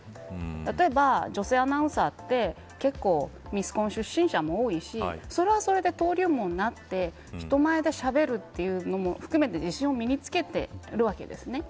例えば、女性アナウンサーって結構、ミスコン出身者も多いしそれはそれで登竜門になって人前でしゃべるというのも含めて自信を身につけているわけですね。